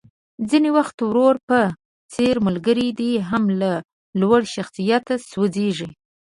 ځينې وخت ورور په څېر ملګری دې هم له لوړ شخصيت سوځېږي.